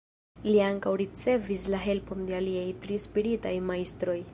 Li ankaŭ ricevis helpon de aliaj tri spiritaj majstroj.